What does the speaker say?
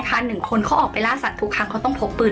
เห้ยเรื่องนี้หมอจะบอกยังไง